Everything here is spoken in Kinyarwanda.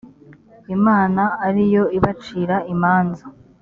imana ari yo ibacira imanza